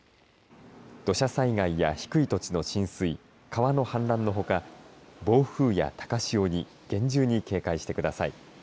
土砂災害や低い土地の浸水川の氾濫のほか暴風や高潮に厳重に警戒してください。